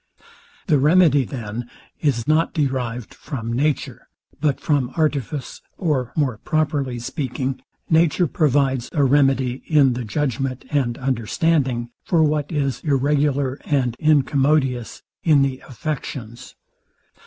The remedy, then, is not derived from nature, but from artifice; or more properly speaking, nature provides a remedy in the judgment and understanding, for what is irregular and incommodious in the affections.